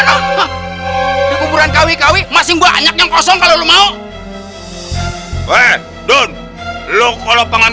apa di kuburan kawi kawi masih banyak yang kosong kalau lo mau weh don lo kalau pangan